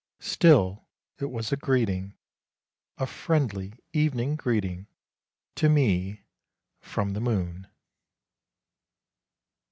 Still it was a greeting, a friendly evening greeting, to me from the moon.